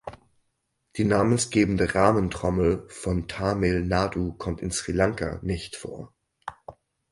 Die namensgebende Rahmentrommel von Tamil Nadu kommt in Sri Lanka nicht vor.